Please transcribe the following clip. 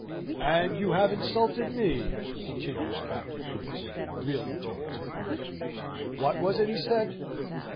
"And you have insulted me," continues Captain Grace, reeling towards him. "What was it he said?